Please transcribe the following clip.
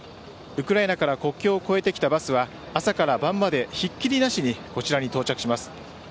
ウクライナから国境を越えてきたバスは朝から晩までひっきりなしにこちらに到着します。